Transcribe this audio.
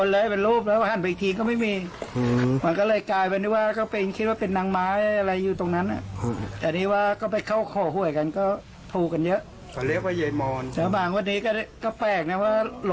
แล้วที่ว่าต้นไม้หักโค้นใส่สาร